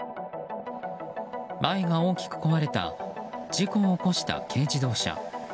前が大きく壊れた事故を起こした軽自動車。